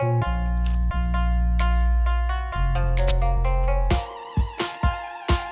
pengangguran miskin dan lemah iman